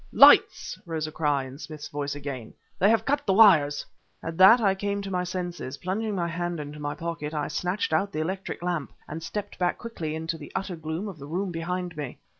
"Lights!" rose a cry, in Smith's voice again "they have cut the wires!" At that I came to my senses. Plunging my hand into my pocket, I snatched out the electric lamp ... and stepped back quickly into the utter gloom of the room behind me.